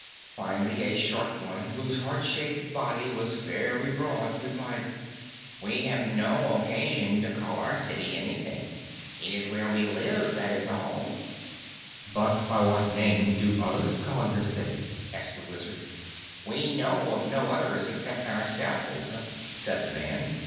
Finally, a short one whose heart shaped body was very broad replied, "We have no occasion to call our city anything. It is where we live, that is all." "But by what name do others call your city?" asked the Wizard. "We know of no others except yourselves," said the man.